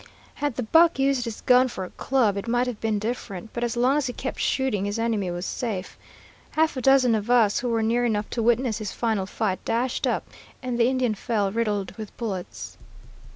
Had the buck used his gun for a club, it might have been different, but as long as he kept shooting, his enemy was safe. Half a dozen of us, who were near enough to witness his final fight, dashed up, and the Indian fell riddled with bullets.